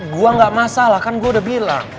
gue gak masalah kan gue udah bilang